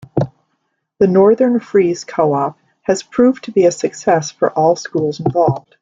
The Northern Freeze coop has proved to be a success for all schools involved.